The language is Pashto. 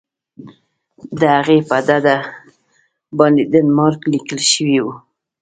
د هغې په ډډه باندې ډنمارک لیکل شوي وو.